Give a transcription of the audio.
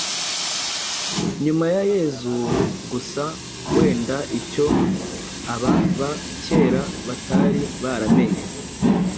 nyuma ya Yezu. Gusa wenda icyo aba ba kera batari baramenye ;